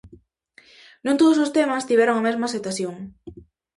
Non todos os temas tiveron a mesma aceptación.